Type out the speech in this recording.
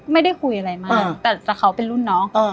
ไม่ได้คุยอะไรมากแต่เขาเป็นรุ่นน้อง